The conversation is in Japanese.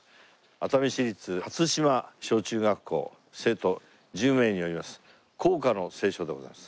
熱海市立初島小中学校生徒１０名によります校歌の斉唱でございます。